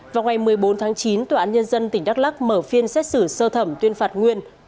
vào ngày một mươi bốn tháng chín tòa án nhân dân tỉnh đắk lắc mở phiên xét xử sơ thẩm tuyên phạt nguyên